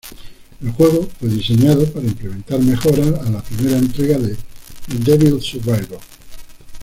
El juego fue diseñado para implementar mejoras a la primera entrega de "Devil Survivor".